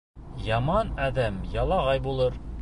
Яман әҙәм ялағай булыр.